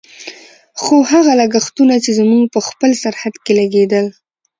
خو هغه لګښتونه چې زموږ په خپل سرحد کې لګېدل.